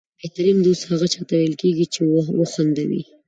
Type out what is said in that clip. بهترینه دوست هغه چاته ویل کېږي چې وخندوي.